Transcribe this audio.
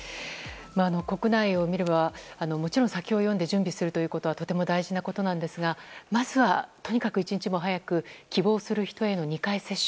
国内を見ればもちろん先を読んで準備するということはとても大事なことなんですがまずはとにかく一日も早く希望する人への２回接種。